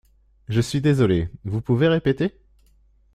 Je suis désolée. Vous pouvez répéter?